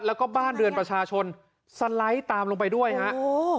แล้วก็บ้านเรือนประชาชนสไลด์ตามลงไปด้วยฮะโอ้